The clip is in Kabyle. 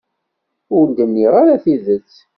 Ur d-nniɣ ara tidet.